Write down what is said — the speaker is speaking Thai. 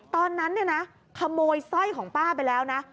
ตอนนั้นเนี่ยนะขโมยสร้อยของป้าไปแล้วนะ